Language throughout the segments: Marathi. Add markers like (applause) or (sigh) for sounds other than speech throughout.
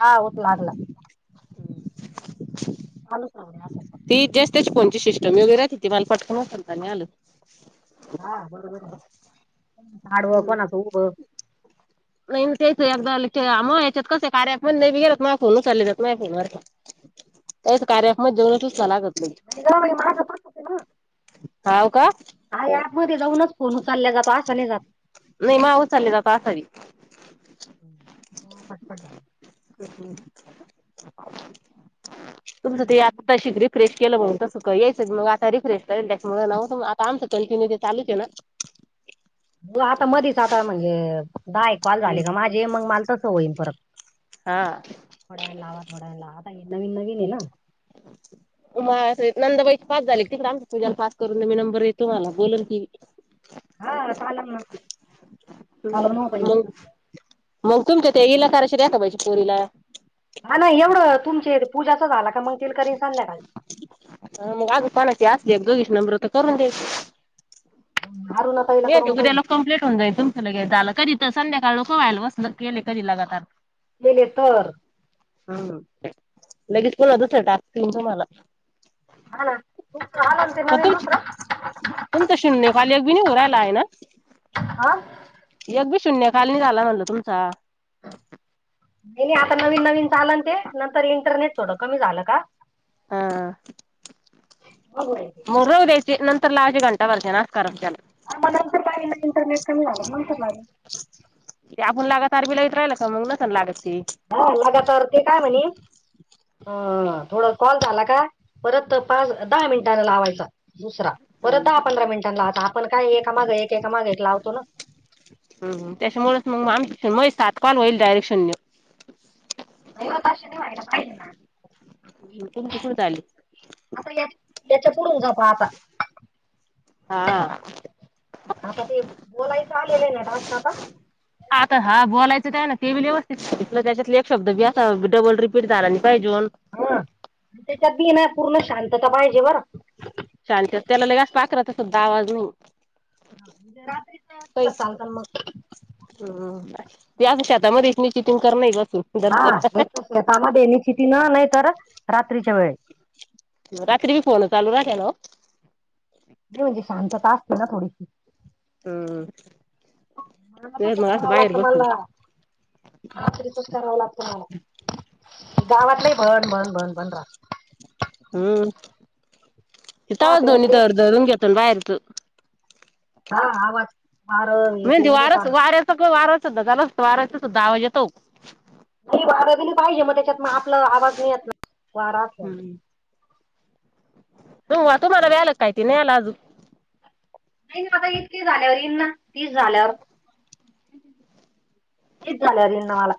हा आओत लागला. (unintelligible) करू का म्हणे असं, असं? ती ज्येष्ठाची फोनची सिस्टम वेगळी राहती. ती मला पटकन उचलता नाही आलं. हा, बरोबर आहे. आडवं कोणाचं उभं नाही न, तेच ना एकदा आलं त्यामुळे याच्यात कसं हाय कार्यात पण लय वेळा फोन उचलला जात नाही सारखा. त्यास कार्यात मग (unintelligible) लागत. नाही. (unintelligible) हाव का आई ऍपमध्ये जाऊनच फोन उचालला जातो, असा नाही जात. मी (unintelligible) चालली (unintelligible) हं, पटपट जा. (unintelligible) तुमचं ते या तशी रिफ्रेश केलं बघ तसं कां यायचं मग आता रिफ्रेश करेल कंटिन्यू आमचं ते चालूच आहे ना. जो आता मधीच आता म्हणजे दहा एक कॉल झाले, माझे ही माल तसं होईल परत. हा थोड्या वेळानं लावा, थोड्या वेळानं लावा. आता हे नवीन नवीन हे ना. उ नंदाबाई पास झाली, तिकडं आमची पूजा पास. करून मी नंबर येतो मला बोलन की. हा चालल ना. चालल ना (inaudible) बाई मग. मग तुमच्या ते येईला करायची रेखा बाईच्या पोरीला. हां, ना एवढं तुमचे इथ पूजाचं झाला का मग तिला करेल संध्याकाळीच. हं मग अजून कोणाची असली एक दूईश नंबर तर करून देऊ. अरुणा ताईला येईल की करून पाहिन उद्याला कंप्लीट होऊन जाईल तो. लगेच झालं, कधी तर संध्याकाळ नको व्हायला बसलेत केले की लगातार. गेले तर. हं लगेच पुन्हा टाकतील तुम्हांला. हां, ना तुमचं आलं ना ते नवीन दुसरं. तुमचा शून्यं खाली एक भी नाही होऊ राहीला हाय ना? आ एक भी शून्य खाली झाला नाही म्हणलं तुमचा. (unintelligible) आता नवीन नवीन चालेल ते नंतर इंटरनेट थोडं कमी झालं का हा (inaudible) अगं बाई गे! जाऊ दयाचे नंतर लावायची घंटा भरताना असं करायचं त्याला. मग नंतर पाहिलं ना, इंटरनेट कमी झालं, नंतर लावीन. आपण लगातार बी लावीत राहिलं की, मग नसल लागत ती. हां लगातार ते काय म्हणे अ.. थोडा कॉल झाला का, परत पाच दहा मिनिटान लावायचा. दुसरा, परत दहा हम्म पंधरा मिनिटांन लावायचा आपण काय एका मागे एक, एका मागे एक लावतो ना. हम्म, त्याच्यामुळेच मग माणसाचे (unintelligible) आजकाल होईल डायरेक्ट शून्य. (inaudible) तुमची कुठं आली. आता या याच्या पुढून (inaudible) आता. हा आता ते बोलायचं आलेलं आहे ना डास काता. आता हा बोलायचं आहे ना ते व्यवस्थित त त्याच्यातले एक शब्द व्यास डबल. (inaudible) (inaudible) ह त्याच्यात बी ना पूर्ण शांतता पाहिजे बरं. शांत त्याला ललेगच पाखरात सुद्धा आवाज नाही. हजे र्री चालत मग. ह ते अस आता मध्ये इथने चिटिंग करणार बसून. हा दरच एक शेतामध्ये (inaudible) न नाही तर रात्रीच्या वेळे. रात्री बी फोन चालू राते नन्हवं. नाही म्हणजे शांतता असते ना थोडीशी. हम् मला तसंच मग असं बाहेर बसून. ह तरीप करावं लागतो मला. गावातले भण भण भण भण राह. हम्म राहा इथव दोन्ही प्यायला तड दरून घेतो ना बाहेरच. हा आ वाज मार ते नाही चालू. सगळ (inaudible) झालंत वाराचं. (inaudible) नाही वार गली पाहिजे मग त्याच्यात मग आपला आवाज नाही येत ना वारा. तू तुम्हाला व्याला काहीती नाही्याला अजून. नाही नाही आता इतके झाल्यावर येईनना तीच झाल्यावर. (inaudible) ना मला.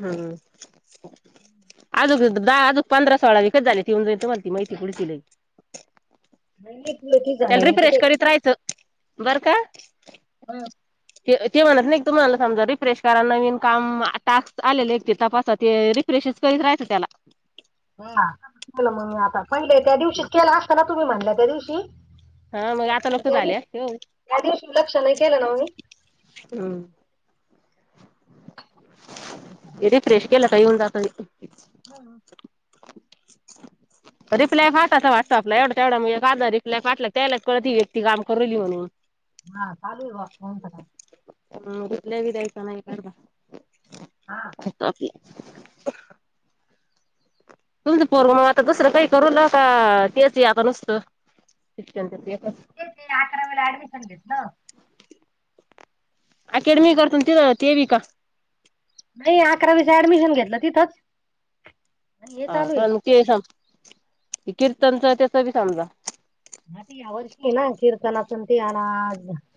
हम्. अज दहा अजक पंधरा सोळा विकत झाले तऊन जा तुम्हा ती माहिती पुढती. (inaudible) ते (inaudible) हो. ते ते म्हणत नाही तुम्हाला समजा रिफ्रेश करा नवीन काम टास्क आले एक ते तपासा ते. रिफ्रेश करत राहचं त्याला. हा के मग मी आता पणले त्या दिवशी केला असता ना तुम्ही म्हणलं त्या दिवशी. हा मग आता लक्ष त्या दि झाले हम्म त्या दिवशी लक्ष नाही केलं ना मी. हम. ते रिफ्रेश केला काही. (inaudible) हा. रिप्लाय पाटवा व्हॉट्सअपला एवढं. तेवढा (inaudible) रला काटला त्याला कळत ही व्यक्ती काम करवली म्हणून. हा चालू आहे बाघ फोन करा. अ कुठल्या बी द्यायचा नाही. हा. हा आपन. तुमचं पोरग मग आता दुसरं काही करू न का तेच आता नुसतं. ते ते अकरावेला ऍडमिशन घेतलं. अकॅडमीक करतो ते पण करतो काय. नाही अकरावीच ऍडमिशन घेतलं तिथंच. आणि हे हा चालू का आहे ते स कीर्तनच त्याच बी समजा. आ ते या वर्षी आहे ना कीर्तनातून ते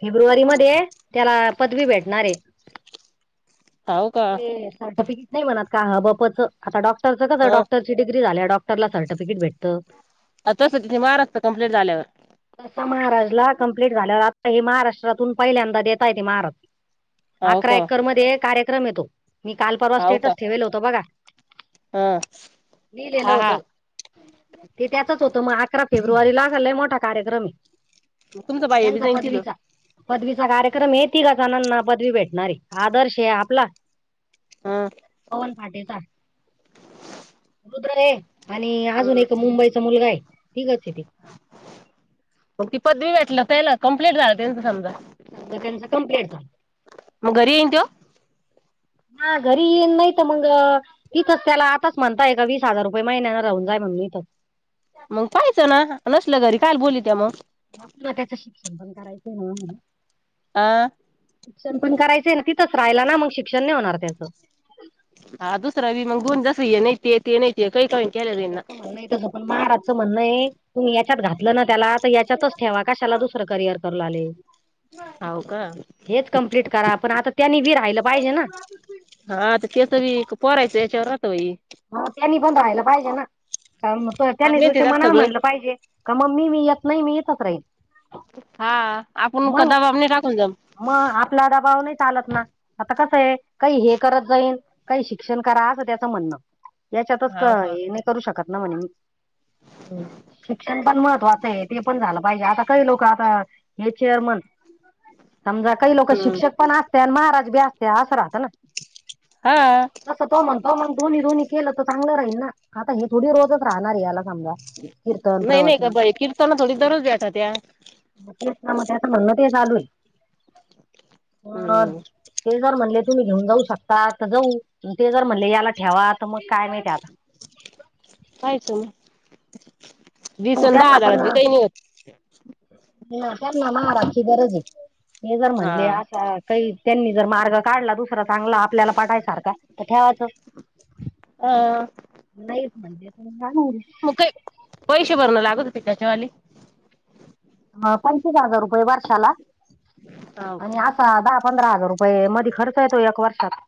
फेब्रुवारी मध्ये आहे त्याला पदवी भेटणार आहे. हाव का सर्टिफिकेट नाही म्हणत का ह बपच आता डॉक्टरच कस ह डॉक्टर डिग्री झाल्या डॉक्टरला सर्टिफिकेट भेटत आ तसं ति मारत कामंप्लीट झाल्यावर तसा महाराजला कंप्लीट झाल्या आता हे महाराष्ट्रातून पहिल्यांदा देता येत महाराज हाव अकरा का एकर मध्ये कार्यक्रम येतो मी काल परवा हाव का स्टेटस ठेवेल होत बघा हा लिहिलेलं होतं हा. ते त्याचच होतं मग अकरा फेब्रुवारी लागलय मोठा कार्यक्रम आहे. मग तुमचं बाह्य बी त्यांचा जाईन तिथं पदवीचा. पदवीचा कार्यक्रम येेत काचणना पदवी भेटणारी आदर्श आहे आपला हा. पवन पाटेचा रुद्र रे. आणि अजून एक मुंबईचा मुलगा आहे तिघंच आहे ते. मग ती पदवी भेटल पला कमप्लीट झालं त्यांच समजा सांग त्यांच कमप्लेट झालं. मग घरी येईन त्यो हा घरी येन नाही तर मग अ. इथंच त्या आताच म्हणता येय का वीस हजार रुपये महिन्यां राहून जाय म्हणून इथच मग पायचं ना नसलं घरी कशाला बोलवते मग. आपल्याला त्याचं शिक्षण पण करायचं आहे ना म्हणून आ. शिक्षण पण करायचं ना तिथच राहिला ना मग शिक्षण नाही होणार त्याचं हा दुसरा बी मग गुण जसय नाहीती ते नाहीतीे काही काही केना. महाराज म्हण आहे. तुम्ही याच्यात घातलं ना त्याला तर याच्यातच ठेवा कशाला दुसरं करिअर करू आले. हाव का हेच कम्प्लीट करा पण आता त्यांनी बी राहिलं पाहिजे ना. हा तर केसवी पोरायचं याच्यावर राहत बाई. हा त्यांनी पण राहीला पाहिजे ना आज त्यांनी मेहनती तुच्या जात मनान सगळे म्हणलं पाहिजे. का मम्मी मी येत नाही इथेच राहील. हा आपण मग कदाबाने टाकून जाऊ. मग आपला दबाव नाही चालत ना. आता कसं आहे काही हे करत जाईन काही शिक्षण करा असं त्याचं म्हणणं याच्यातच हाव का नाही करू शकत ना म्हणे मी. हम्म. शिक्षण पण महत्त्वाचं आहे ते पण झालं पाहिजे आता काही लोक आता हे चेअरमन समजा काही लोक हम्म शिक्षक पण असते आणि महाराज बी असते असं राहतं ना हा. तसं तो म्हण तो मण दोन्ही दो्ही केलं तर चांगलं राहील ना आता हे थोडी रोजच राहणार आहे याला समजा. कीर्तन नाही नाही का प्रवचन बाई कीर्ताना थोडी दररोज भेटत्या. तेच ना मग त्याचं म्हणणं ते चालू आहे अ. हम्म ते जर म्हणले तुम्ही घेऊन जाऊ शकताात जाऊ ते जर म्हणले याला ठेवा तर मग काय माहिती आता. पाहायचं मग. वीस हो अन दहा त्यांना पण हजारात बी काही नाही होत. त्यांना पण महाराज ची गरज आहे. म जर म्हणले हा. असा काही त्यांनी जर मार्ग काढला दुसरा चांगला आपल्याला पाठायसारखा. तर ठेवाचं अं नाहीच म्हणले तर माघारी म काही पैशे भराव लागत होते का त्याले हा पंचवीस हजार रुपये वर्षाला हाव का? आणि आस हा दहा पंधरा हजार रुपये मध्ये खर्च येतो एक वर्षात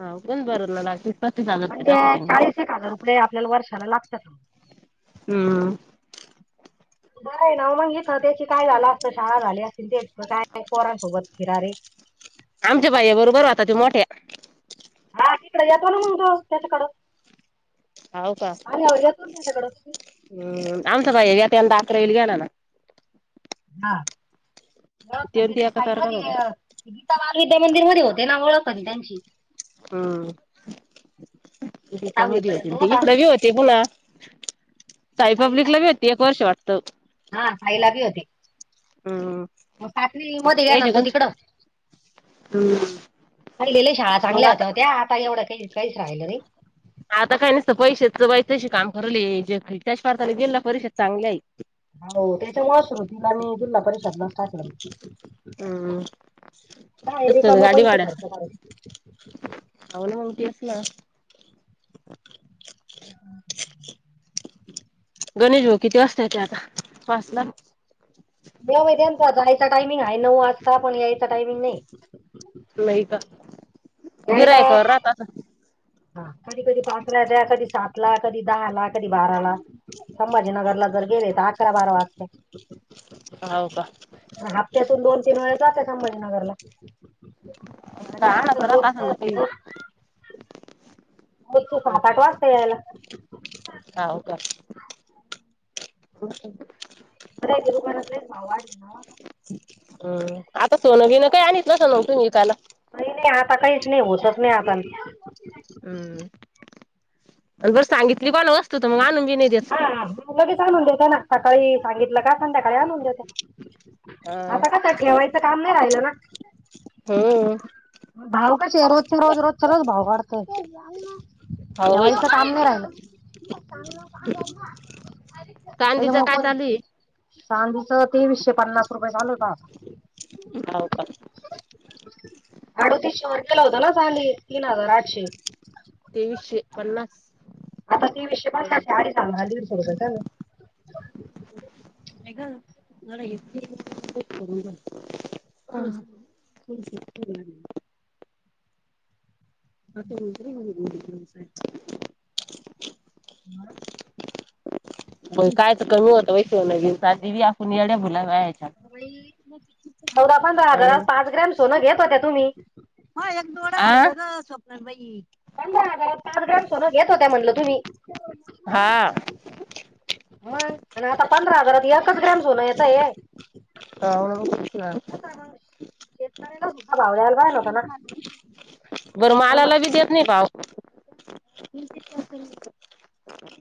हा पण भरायला लागले पस्तीस हजार रुपये जात होते. पुढे आपल्याला वर्षाला लागत्या पण हं बर आहे ना उल इथं त्याची काय झालं असतं शाळा झाली असती तेच काय पोरांसोबत फिरा रे आमच्या भैय्या बरोबर होता त्यो मोठ्या हा तिकडं येतो ना मग रोज त्याच्याकडं हाव का आल्यावर येतो ना त्याच्याकडं हम् आमचा भैय्या त्याला दात्र येईल गेला ना हा मग त्यो न त्यांचे त्यो ते‌ साई एकासारखाच मधी होता. गीता बाल विद्या मंदिर मध्ये होते ना ओळख होती त्यांची हं गीता सहावी मधी होती पर्यंत नं ती होता इकड बी होते बुवा साई साईला पब्लिक ला भी होेती एक वर्ष वाटतं हा आई ला बी होते. हम्म. मग पाचवी मध्ये गेला यायच्या ना तो गण तिकडं, हम्म पहिले लई शाळा मग चांगल्या आता होत्या हो त्या आता एवढं काही काहीच राहिलं नाई आता काय नुसतेच पैशे वैचायचे काम करेल हे त्याचं प्रकारे जिल्हा परिषद चांगल्या हे. हाना वो त्याच्या मुळ सुरुवातीला मी जिल्हा परिषदलाच टाकलं हम्म काय कसं रिकामं गाडी पैसे खर्च भाडं- करायचे आहो मग तेच ना, (unintelligible) गणेश भाऊ किती वाजता येत्या आता पाचला देवावर त्यांचा जायचा टायमिंग आहे नऊ वाजता पण यायचा टायमिंग नाहीये. व्हय का यायला गिऱ्हाईकावर राहतं असंन हा कधी कधी पाच ला द्या कधी सात ला कधी दहा ला कधी बारा ला संभाजीनगरला जर गेले तर अकरा बारा वाजते. हाव का अन् हप्त्यातून दोन तीन वेळ जात्या संभाजीनगर ला आणायचं राहत असल ना काही (unintelligible) मैची हे तर सात आठ वाजता यायला हाव का मिठाईच्या दुकानात लईचं भाव वाढले ना अं आता सोनं बिनं काही आणीत नसाल मग तुम्ही विकायला. नाही नाही आता काहीच नाही होवू शकतं नाही आण हम्म जर सांगितली कोणा वस्तू तर मगं आणुन बी नाही देत. हां लगेच आणून देत्या ना सकाळी सांगितलं का संध्याकाळी आणून देत्या? हा राहिलं ना. हो हो... भाव कसे रोजच्या रोज रोजच्या रोज भाव वाढ (unintelligible) हाव बाई काम नाही राहिल (unintelligible) कांदीच त्यामुळं काय कोणी चालू आहे? चांदीचं तेवीसशे पन्नास रुपये झाल होत. आज हो का? अडतीशे वर गेलं होता. ना चांदी तीन हजार आठशे तेवीसशे पन्नास आता तेवीशे पन्नास आहे. अडीच हजाराला दीडशे रुपये कमी नाही ग का (inaudible) (inaudible) (unintelligible) मग काय तर कमी होतं. होय सोन आपून (unintelligible) निड्या बुलाव्या चौदा पंधरा हजार अं पाच ग्रॅम सोनं घेत होत्या तुम्ही माझे एक डोळ स्वप्नाल बाई पंधरा हजार पाच ग्रॅम सोन घेत. होत्या म्हणलं तुम्ही हा. हा आणि आता पंधरा हजारात एकच ग्रॅम सोन येत आहे हो ना. मग करायला सुद्धा भाव द्यायला पाहिजे होता ना. बरं थांबा मालाला बी देत नाही. भाव (unintelligible) (unintelligible)